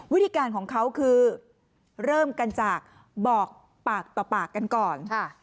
วิธีการของเขาคือเริ่มกันจากบอกปากต่อปากกันก่อน